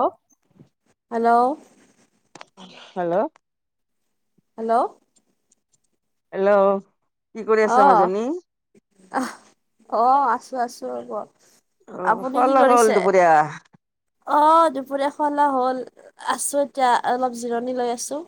Hello hello hello hello hello কি কৰি আছা মাজনী? আহ অ আছো আছো ৰব অ আপুনি কি হল হ'ল কৰিছে? দুপৰীয়া অ দুপৰীয়া খোৱা লোৱা হ'ল আছো এতিয়া অলপ জিৰণি লৈ আছো।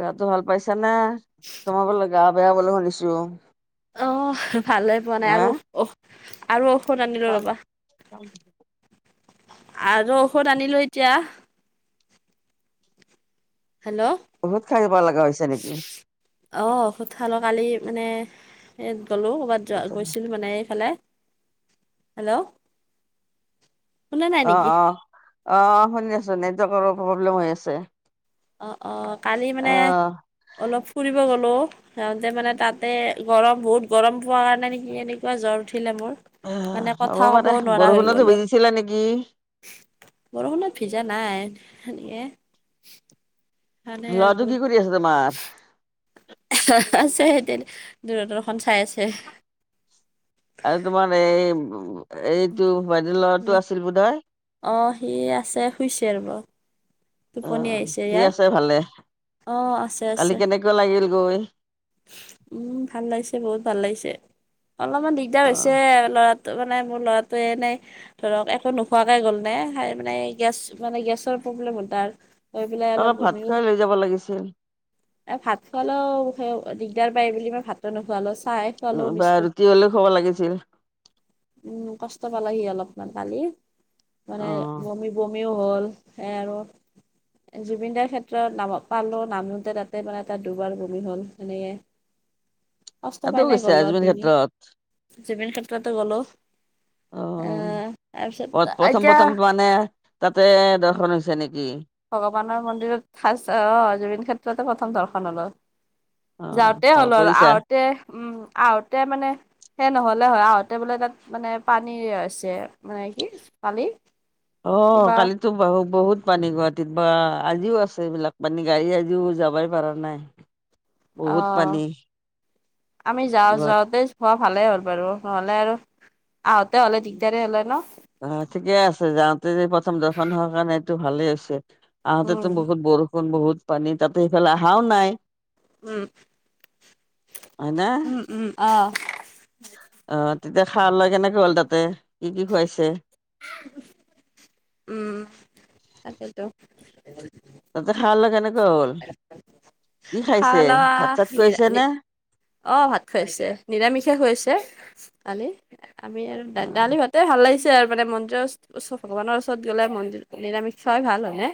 গাটো ভাল পাইছানে তোমাৰ বোলে গা বেয়া বুলি শুনিছো অহ ভালে পোৱা নাই হা আৰু আৰু ঔষধ আনিলো ৰ'বা আৰু ঔষধ আনিলো এতিয়া হেল্ল' বহুত খাইব লগা হৈছে নেকি অ ঔষধ খালোঁ কালি মানে এ গ'লো কৰ'ৰবাত গৈছিল মানে এইফালে হেল্ল' শুনা নাই অ নেকি? অ অ অ শুনি আছো নেটৱৰ্কৰো প্ৰব্লেম হৈ আছে অঁ অঁ কালি মানে আহ অলপ ফুৰিব গ'লোঁ যাওঁতে মানে তাতে গৰম বহুত গৰম পোৱা কাৰণে নেকি এনেকুৱা জ্বৰ উঠিলে মোৰ। মানে আহ কথা হ'ব ক'বও পাৰে নোৱাৰা হৈ বৰষুণটো গ'লো ভিজিছিলা নেকি বৰষুণত ভিজা নাই সেনেকে। মানে আৰু লৰাটো বহুত কি কৰি আছে তোমাৰ? আছে সতে দূৰদৰ্শন চাই আছে আৰু তোমাৰ এই এইটো বাইদেউ ল'ৰাটো আছিল বুধ হয়। অ সি আছে শুইছে ৰব অ টোপনি আহিছে ঠিক ইয়াৰ আছে ভালে অ আছে কালি আছে কেনেকুৱা লাগিল গৈ। উম ভাল লাগিছে বহুত ভাল লাগিছে অলপমান দিগদাৰ অ হৈছে লৰা ত' মানে মোৰ ল'ৰাটোৱে এনেই ধৰক একো নোখোৱাকে গ'ল নে মানে গেছ মানে গেছৰ প্ৰব্লেম হ'ল তাৰ হৈ পেলাই অলপ ভাত বমিও খোৱাই লৈ যাব লাগিছিল এ ভাত খোৱালেও দিগদাৰ পাই বুলি মই ভাতটো নোখোৱালো চাই বা ৰুটি হ'লেও খুওৱা ব লাগিছিল উম কষ্ট পালে সি অলপমান কালি মানে অ বমি বমিও হ'ল সে আৰু জুবিনদাৰ ক্ষেত্ৰত নাম পালো নামোতে তাত মানে তাত দুবাৰ বমি হ'ল সেনেকে কষ্ট তাতো পাই নাই গৈছে গলত আজমেৰ ডিঙিত ক্ষেত্ৰত জুবিন ক্ষেত্ৰতে গলো অ আহ তাৰপিছত প্ৰথম এতিয়া প্ৰথম মানে তাতে দৰ্শন হৈছে নেকি ভগৱানৰ মন্দিৰত ফাৰ্ষ্ট অ জুবিন ক্ষেত্ৰতে প্ৰথম দৰ্শনৰ হলো অ যাওঁতে ভাল হ'ল আৰু কৰিছা আহোতে উম আহোঁতে মানে সেই নহলে হয় আহোঁতে বোলে তাত মানে পানী হৈছে মানে কি কালি অ কিবা কালি বাহু বহুত পানী গুৱাহাটীত বা আজিও আছে এইবিলাক পানী গাড়ী আজিও যাবাই পাৰা নাই অ বহুত পানী আমি যাওঁ গুৱাহাটী যাওঁতে খোৱা ভালেই হ'ল বাৰু নহ'লে আৰু আহঁতে হ'লে দিগদাৰ হ'লে ন অ ঠিকে আছে যাওঁতে যে প্ৰথম দৰ্শন হোৱা কাৰণে এইটো ভালেই হৈছে। আহঁতেতো উম বহুত বৰষুণ বহুত পানী তাতে সেইফালে আহাও নাই উম হয় না উম উম আহ অ তেতিয়া খাৱা লোৱা কেনেকে হ'ল তাতে কি কি খুৱাইছে উম তাকেইতো। তাতে খাৱা লোৱা কেনেকুৱা হ'ল কি খাৱা খাইছে লাৱা ভাত চাত নিৰা খোৱাইছে নি নে? অ ভাত খোৱাইছে নিৰামিষে খোৱাইছে কালি আমি আৰু অ', দালি ভাতে ভাল লাগিছে সেয়াৰ মানে মন্দিৰৰ ওচ ওচৰত ভগৱানৰ ওচৰত গ'লে মন নিৰামিষ খোৱাই ভাল হয়নে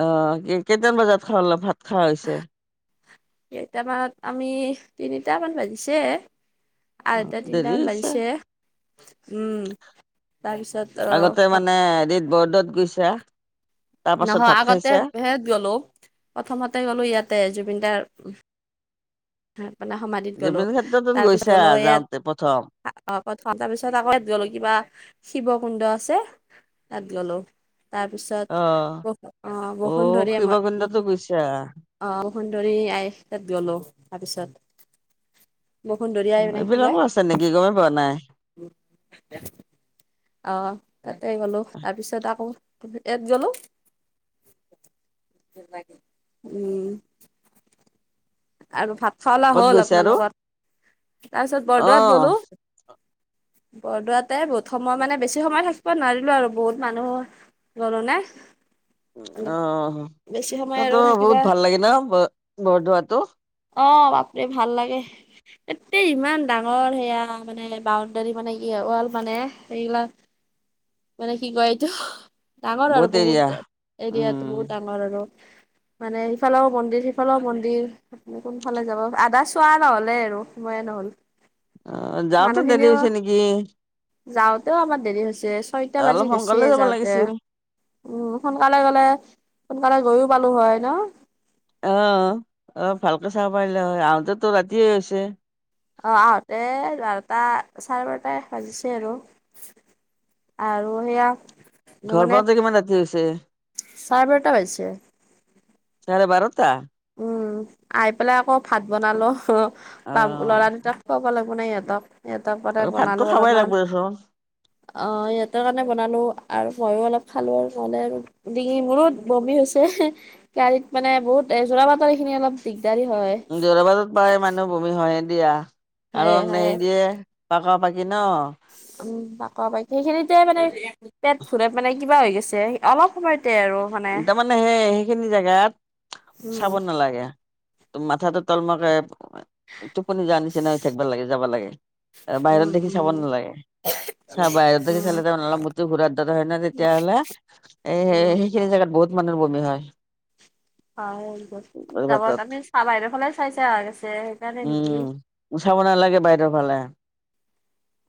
অ কে কেইটা মান বজাত খালা ভাত খাৱা হৈছে কেইটামান আমি তিনিটামান বাজিছে আঢ়ৈ অ', টা, দেৰি তিনিটামান হৈছে। বাজিছে উম তাৰপিছত অ ভাত এদিত বৰদোৱাত গৈছা তাৰ পাছত নহয় ভাত আগতে খাইছা? ভেত গলো প্ৰথমতে গলো ইয়াতে জুবিনদাৰ মানে সমাধিত গলো জুবিন ক্ষেত্ৰতো তাৰ পিছত গৈছা গলো ইয়াত যাওঁতে প্ৰথম? [unintelligible] পিছত আকৌ ইয়াত গলো কিবা শিৱ কুণ্ড আছে তাত গলো তাৰপিছত অ', বস অ অ', বসুন্ধৰীয়া মই শিৱকুণ্ডতো বসু গৈছা? অ সুন্দৰী আইচ তাত গলো তাৰপিছত বসুন্দৰী এইবিলাকো আছে নেকি গমেই পোৱা নাই। উম অহ তাতে গলো তাৰপিছত আকৌ ইয়াত গলো উম আৰু ভাত খাৱা লোৱা ক'ত হ'ল গৈছা আৰু? আপোনালোকৰ তাৰপিছত বৰদোৱাত অ', গ'লো। বৰদোৱাতে বহুত সময় মানে বেছি সময় থাকিব নোৱাৰিলো আৰু বহুত মানুহ গ'লো নে অ অলপ অ হ বেছি সময় আৰু তাতো বহুত থাকিবা ভাল লাগে ন ব বৰদোৱাটো অ বাপৰে ভাল লাগে। এতেই ইমান ডাঙৰ সেয়া মানে বাউণ্ডাৰী মানে ইয়ে ৱাল মানে এইবিলাক [inaudible] মানে কি কয় এইটো ডাঙৰ আৰু বহুত এৰিয়াতো উম বহুত ডাঙৰ আৰু মানে সিফালেও মন্দিৰ সিফালেও মন্দিৰ আপুনি কোনফালে যাব আধা চোৱা নহ'লে আৰু সময়ে নহ'ল। অ যাওঁতে দেৰি মানুহখিনিও হৈছে নেকি যাওঁতেও আমাৰ দেৰি হৈছে ছয়টা অলপ বাজি সোনকালে গৈছে যাব যাওঁতে। লাগিছিল উম সোনকালে গ'লে সোনকালে গৈও পালো হয় ন অহ অ ভালকৈ চাব পাৰিলা হয় আহোতেতো ৰাতিয়ে হৈছে। অ আহোঁতে এঘাৰটা, চাৰে বাৰটাই বাজিছে আৰু। আৰু সেয়া ঘৰ মানে পাওঁতে কিমান ৰাতি হৈছে চাৰে বাৰটা বাজিছে চাৰে বাৰটা উম আহি পেলাই আকৌ ভাত বনালো হু অ বা ল'ৰা দুটা খোৱাবা লাগিব না সিহঁতক সিহঁতৰ আৰু পৰাই ভাতটো বনালোঁ খাবাই লাগব অলপমান। দেচোন অ সিহঁতৰ কাৰণে বনালোঁ আৰু মইয়ো অলপ খালোঁ আৰু নহ'লে আৰু ডিঙি মোৰোত বমি হৈছে গাড়ীত মানে বহুত এ যোৰা বাতৰ এই খিনি অলপ দিগদাৰী হয়। যোৰাবাটত পায় মানুহ বমি হয় দিয়া হয়ে কাৰণ হয়ে সেই দিয়ে পাকা পাকি ন উম বাক বাকীখিনিতে মানে পেট ফুলে মানে কিবা হৈ গৈছে অলপ সময়তে আৰু। মানে তামানে সেই সেইখিনি জেগাত উম চাব নালাগে। মাথাটো তল মূৰাকে টোপনি যোৱাৰ নিচিনা হৈ থাকব লাগে যাব লাগে। এ বাহিৰত উম দেখি চাব উম নালাগে চা বাহিৰত দেখি চালে উম তাৰ মূৰ মূৰটো ঘুৰা দৰে হয় ন' তেতিয়াহ'লে এই সে উম সেইখিনি জেগাত বহুত মানুহৰ বমি হয়। হয় দিয়ক জাবৰ ভাতত কানে চাহ বাহিৰৰ ফালে চাই অহা হৈছে সেইকাৰণে নেকি? উ চাব নালাগে বাহিৰৰ ফালে।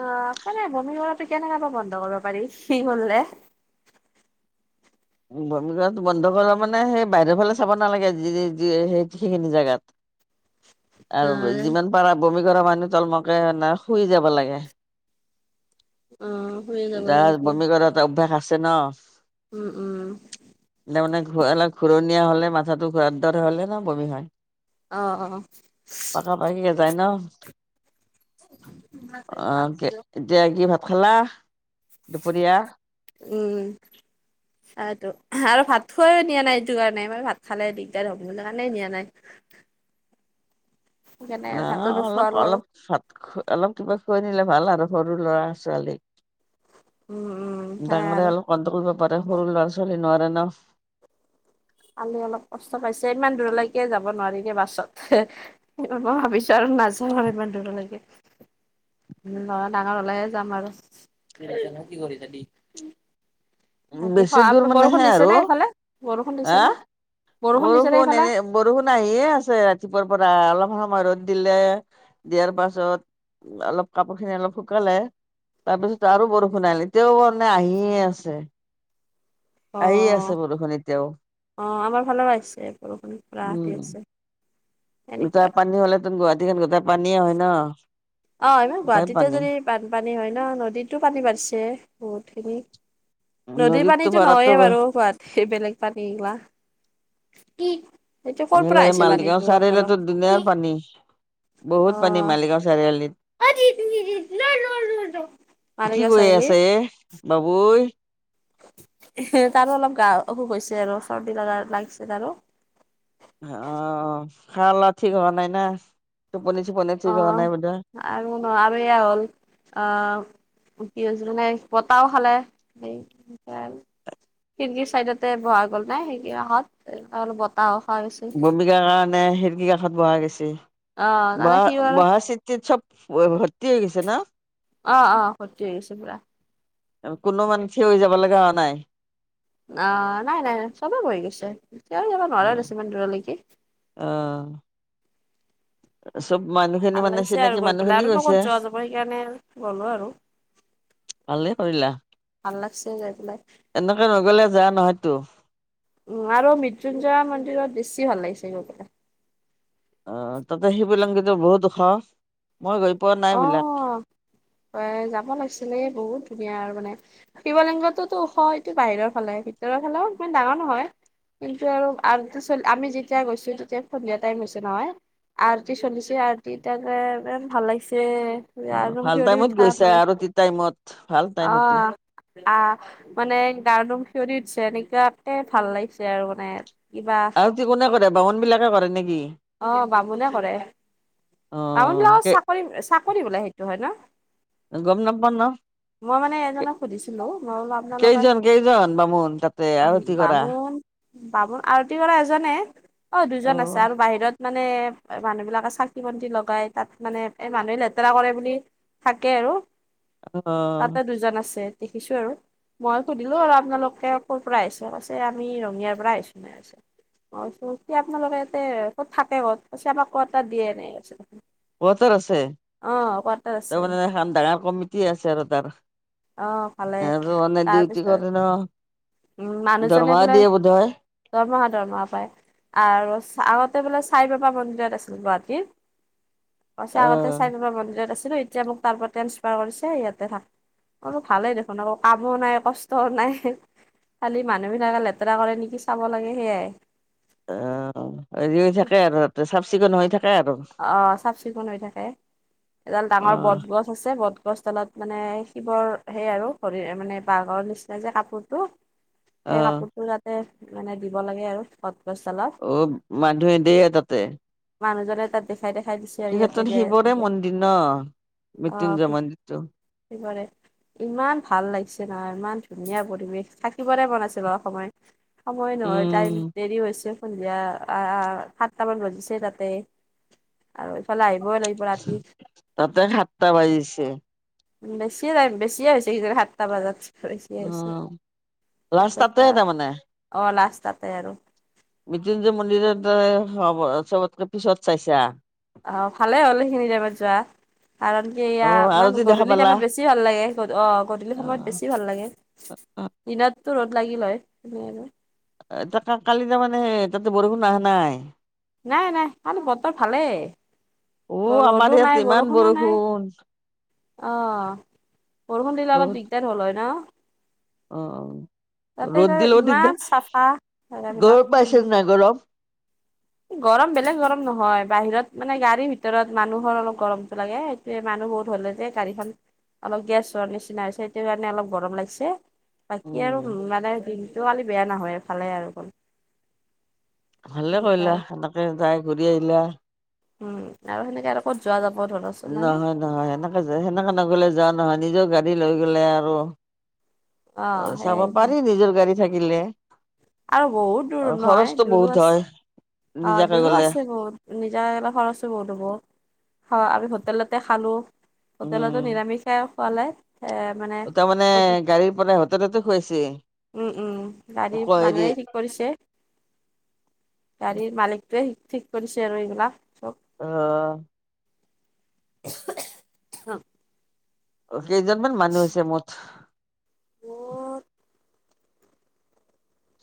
অ কেনেকে বমি হ'লেটো কেনেকা বা বন্ধ কৰিব পাৰি খি হ'লে? বমি কৰাটো বন্ধ কৰা মানে সেই বাহিৰৰ ফালে চাব নালাগে যি যি সেই সেইখিনি জেগাত আৰু নাই যিমান পাৰা বমি কৰা মানুহ তল মূৰাকে না শুই যাব লাগে। উম। যাৰ বমি কৰা এটা অভ্যাস আছে ন'? উম উম। তাৰমানে ঘূ অলপ ঘূৰণীয়া হ'লে মাথাটো ঘূৰাৰ দৰে হ'লে না বমি হয়। অহ অহ। প পাাকিয় যায় ন অ [unintelligible] এতিয়া কি ভাত খালা দুপৰীয়া? উম। [inaudible] এইটো উমহ আৰু ভাত খোৱাইও নিয়া নাই এইটো কাৰণে এবাৰ ভাত খালে দিগদাৰ হ'ব সেইটো কাৰণে নিয়া নাই। সেইকাৰণে না আৰু ভাতো অলপ নোখোৱালো আৰু অলপ ভাত খ অলপ কিবা খুৱাই নিলে ভাল আৰু সৰু ল'ৰা ছোৱালীক। উম উ ডাঙৰে অলপ কণ্ট্ৰল কৰিব পাৰে সৰু ল'ৰা ছোৱালীয়ে নোৱাৰে ন'। কালি অলপ কষ্ট পাইছে ইমান দূৰলৈকে যাব নোৱাৰি দে বাছত সে মই ভাবিছোঁ আৰু নাযাওঁ আৰু ইমান দূৰলৈকে। লৰা ডাঙৰ হ'লেহে যাম আৰু। এতিয়ানো কি কৰিছা দি বেছি বাকী বৰষুণ দিছেনে সেইফালে? হে দিছে নে বৰষুণ এইফালে নেৰে বৰষুণ আহিয়ে আছে ৰাতিপুৱাৰ পৰা অলপ সময় ৰ'দ দিলে দিয়াৰ পাছত অলপ কাপোৰ খিনি অলপ শুকালে। তাৰপিছত আৰু বৰষুণ আহিল এতিয়াও মানে আহিয়ে আছে। আহি আছে অহ, বৰষুণ এতিয়াও অ আমাৰ ফালেও আহিছে বৰষুণ পুৰা দি আছে। এতিয়া এনেকুৱা। পানী হ'লে তোন গুৱাহাটীখন গোটেই পানীয়ে হয় ন'। অ ইমান গোটাই গুৱাহাটীতে পানী যদি বানপানী হয় ন' নদীতো পানী বাঢ়িছে বহুত খিনি। নদীৰ নদীততো পানীটো নহয়ে পাৰতো বাৰু গুৱাহাটীত বেলেগ পানী এইগিলা। এইটো ক'ৰ পৰা এইফালে আহিছে মালিগাঁও পানীটো আপোনালোক চাৰিআলিটোত দোনিয়াৰ পানী। অ বহুত পানী মালিগাঁও চাৰিআলিত। মালিগাঁও চাৰিআলি? বাবোই এহ তাৰো অলপ গা অসুখ হৈছে আৰু চৰ্দি লগা লাগিছে তাৰো। অহ, খাৱা লোৱা ঠিক হোৱা নাই না, টোপনি চোপনি অ ঠিক হোৱা নাই বোধ হয়। আৰু ন' আৰু এয়া হ'ল অহ কি হৈছে মানে বতাহো খালে খিৰিগিৰ চাইদতে বহা গ'ল নাই সেইদিনা হত অলপ বতাহো খোৱা হৈছিল। বমিকাৰ কাৰণে খিৰিকী কাষত বহা গৈছে অ তানে সি বহা আৰু বহা চিত-তিত চব ভৰ্তি হৈ গৈছে ন অ অ খতি হৈ গৈছে পুৰা কোনো মানে থিয় হৈ যাব লগা হোৱা নাই অ নাই নাই চবে বহি গৈছে থিয়হি যাব নোৱাৰে দেচোন ইমান দূৰলৈকে অ মানুহখিনি টান মানে লাগিছে আৰু চিনাকি গৈ পেলাই মানুহখিনি আৰু নো গৈছে ক'ত যোৱা যাব সেইকাৰণে আৰু গলো আৰু ভালে কৰিলা। ভাল লাগছে যাই পেলাই এনেকে নগলে যৱা নহয়তো আৰু মৃত্যুঞ্জয় মন্দিৰত বেছি ভাল লাগিছে গৈ পেলাই অ তাতে হেইবিলাঙ্কিটো বহুত ওখ মই গৈ পোৱা নাই অ বোলে। তই যাব লাগিছিলে বহুত ধুনীয়া আৰু মানে শিৱলিংগতোটো ওখ হয়টো বাহিৰৰ ফালে ভিতৰৰ ফালেও ইমান ডাঙৰ নহয় কিন্তু আৰু আমি যেতিয়া গৈছো তেতিয়া সন্ধিয়া টাইম হৈছে নহয় আৰটি চলিছে আৰটি তাকে ইমান ভাল লাগিছে অ গাৰ নোম ভাল শিয়ঁৰি টাইমত উঠা গৈছা মানে আৰতি টাইমত ভাল টাইম অ সেইটো আহ মানে গাৰ নুম শিয়ৰি উথিছে এনেকুৱাকে ভাল লাগিছে আৰু মানে কিবা হেটি কোনে কৰে বামুণ বিলাকে কৰে নেকি অ বামুণে কৰে অ বামুণ বিলাক কে চাকৰি চাকৰি বোলে সেইটো হয় ন গম নাপাওঁ ন মই মানে এজনক সুধিছিলো মই বোলো আপোনালোকে কেইজন কেইজন বামুণ তাতে আৰতি কৰা বামুণ বামুণ আৰতি কৰা এজনে অ দুজন আছে আৰু বাহিৰত মানে মানুহবিলাকে চাকি-বন্তি লগাই তাত মানে এ মানুহে লেতেৰা কৰে বুলি থাকে আৰু অ তাতে দুজন আছে দেখিছো আৰু মই সুধিলো আৰু আপোনালোকে ক'ৰপৰা আহিছে কৈছে আমি ৰঙিয়াৰ পৰা আহিছো এনেকে মই কৈছো আপোনালোকে ইয়াতে ক'ত থাকে ক'ত আমাক কোৱাটাৰ দিয়া নাই কাৱাটাৰ আছে আছে তাৰমানে এখন ডাঙৰ কমিটি আছে আৰু তাৰ অ ভালে এহেত মানে ডিউটি তাৰপিছত কৰে ন উম মানুহজনে দৰমাহ বোলে দিয়ে বোধ হয় দৰমহা দৰমহা পায় আৰু আগতে বোলে চাই বাবা মন্দিৰত আছিল গুৱাহাটীৰ কৈছে অ আগতে চাই বাবা মন্দিৰত আছিলো এতিয়া মোক তাৰ পৰা ট্ৰেন্সফাৰ কৰিছে ইয়াতে থাক মইবুলো ভালেই দেখোন আকৌ কামো নাই, কষ্টও নাই খালি মানুহ বিলাকে লেতেৰা কৰে নেকি চাব লাগে সেয়াই অ হেৰি হৈ থাকে আৰু চাফ-চিকুণ হৈ থাক অ চাফ-চিকুণ হৈ থাকে এডাল অ ডাঙৰ বট গছ আছে বটগছডালত মানে শিৱৰ সেই আৰু শৰীৰ মানে বাঘৰ নিচিনা যে কাপোৰটো [inaudible] সে কাপোৰতটো যাতে মানে দিব লাগে আৰ বট গছডালত অ মানুহে দিয়ে তাতে মানুহজনে তাত দেখাই দেখাই দিছে সেই আৰু ইয়াতে ক্ষেত্ৰত দিয়া ইয়াতে শিৱৰে দিয়া মন্দিৰ ন মৃত্যুঞ্জয় মন্দিৰটো কিহৰে ইমান ভাল লাগিছে নহয় ইমান ধুনীয়া পৰিৱেশ থাকিবৰে মন আছে বাও সময় সময় নহয় উম টাইম দেৰি হৈছে। সন্ধিয়া সাতটামান বাজিছে তাতে। আৰু এইফালে আহিবই লাগিব ৰাতি তাতে সাতটা বাজিছে। বেছিয়ে বেছিয়ে হৈছে কিজান সাতটা বজাত। বেছিয়ে হৈছে উম লাঞ্চ তাৰপিছত তাতে তাৰমানে। অ লাঞ্চ তাতে আৰু। মৃত্যুঞ্জয় মন্দিৰত তই চবতকে পিছত চাইছা। অ ভালে হ'ল সেইখিনি টাইমত যোৱা। কাৰণ কি এয়া অ ইমান আৰতি দেখা গধূলি পালা টাইমত বেছি ভাল লাগে অ গধূলি সময়ত বেছি ভাল লাগে। অ অ। দিনততটো ৰ'দ লাগিল হয় আৰু। তই কালি যাবানে তাতে বৰষুণ আহা নাই? নাই নাই কালি বতৰ ভালেই অ আমাৰ ৰ'দো ইয়াত নাই ইমান বৰষুণো নাই। বৰষুণ অহ বৰষুণ দিলে অলপ বহুত দিগদাৰ হ'ল হয় ন? অ তাতে ৰ'দ তাত দিলো ইমান চাফা দিগদাৰ। জেগাবিলাক গৰম উম পাইছে নাই গৰম? গৰম বেলেগ গৰম নহয় বাহিৰত মানে গাড়ীৰ ভিতৰত মানুহৰ অলপ গৰমটো লাগে। মানুহ বহুত হলে যে গাড়ীখন অলপ গেছ হোৱাৰ নিচিনা হৈছে সেইটো কাৰণে অলপ গৰম লাগিছে। বাকী আৰু উম মানে দিনটো কালি বেয়া নহয় ভালে আৰু। ভালে সেনেকা কৰিলা আৰু সেনেকে যাই ঘূৰি আহিলা। উম আৰু সেনেকে আৰু ক'ত যোৱা যাব ধৰ নহয় নহয় সেনেকে সেনেকে নগলে যোৱা নহয় নিজৰ গাড়ী লৈ গলে আৰু অ চাব পাৰি নিজৰ গাড়ী থাকিলে। আৰু বহুত অ দূৰো নহয় খৰচটো দূৰো বহুত হয় আছে অ নিজাকে দূৰো গলে আছে বহুত। নিজা গলে খৰচো বহুত হ'ব খোৱা আমি হোটেলতে খালো হোটেলত টো উম নিৰামিষাই খালে এ মানে তাৰ মানে গাড়ীৰ পৰা হোটেলতে খুৱাইছে। উম উম গাডীৰ আকৌ হেৰি মানুহে ঠিক কৰিছে গাড়ীৰ মালিকটোৱে ঠিক কৰিছে আৰু এইবিলাক চব। অহ। [unintelligible] অ কেইজনমান মানুহ হৈছে মুঠ? [unintelligible]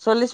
চল্লিছ